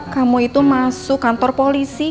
kamu itu masuk kantor polisi